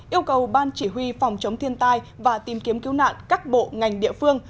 yêu cầu ban chỉ huy phòng chống thiên tai và tìm kiếm cứu nạn các bộ ngành địa phương